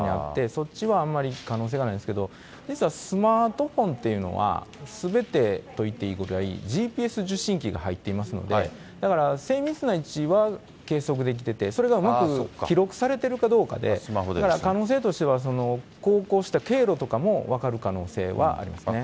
そっちはあんまり可能性がないんですけど、実はスマートフォンというのは、すべてといっていいくらい、ＧＰＳ受信機が入っていますので、だから精密な位置は計測できてて、それが記録されてるかどうかで、可能性としては、航行した経路とかも分かる可能性はありますね。